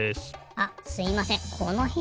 あすいません。